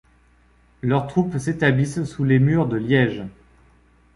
Leurs troupes s'établissent sous les murs de Liège.